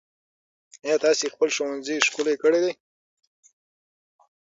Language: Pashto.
ايا تاسې خپل ښوونځی ښکلی کړی دی؟